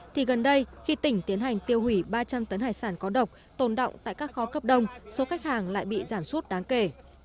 thì gần đây khi tỉnh tiến hành tiêu hủy ba trăm linh tấn hải sản có độc tồn động tại các kho cấp đông số khách hàng lại bị giảm sút đáng kể